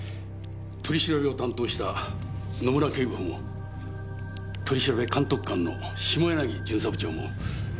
取り調べを担当した野村警部補も取調監督官の下柳巡査部長もそう言ってます。